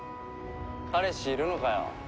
彼氏いるのかよ。